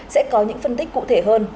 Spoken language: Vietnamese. sẽ có những phân tích cụ thể hơn